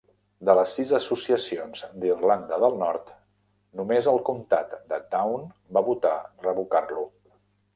De les sis associacions d'Irlanda del Nord, només el comtat de Down va votar revocar-lo.